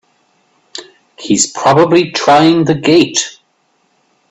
He's probably trying the gate!